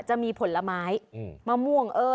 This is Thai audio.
จะมีผลไม้มะม่วง